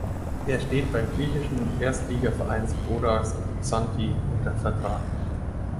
Er steht beim griechischen Erstligaverein Skoda Xanthi unter Vertrag.